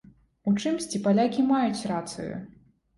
У чымсьці палякі маюць рацыю.